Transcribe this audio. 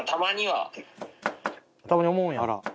たまに思うんや。